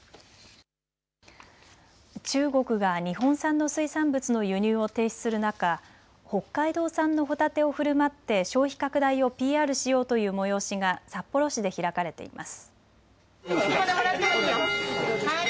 中国が日本産の水産物の輸入を停止する中、北海道産のホタテをふるまって消費拡大をＰＲしようという催しが札幌市で開かれています。